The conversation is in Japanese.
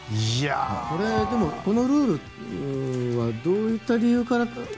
これ、このルールはどういった理由から？